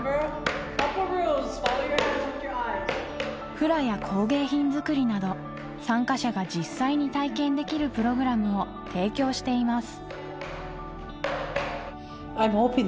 フラや工芸品づくりなど参加者が実際に体験できるプログラムを提供しています